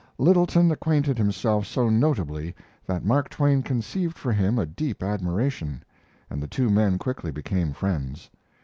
Littleton acquitted himself so notably that Mark Twain conceived for him a deep admiration, and the two men quickly became friends.